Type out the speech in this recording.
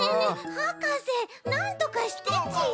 はかせなんとかしてち！